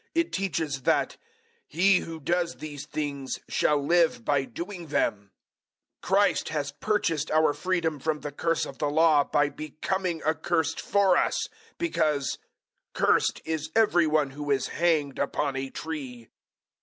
It teaches that "he who does these things shall live by doing them." 003:013 Christ has purchased our freedom from the curse of the Law by becoming accursed for us because "Cursed is every one who is hanged upon a tree."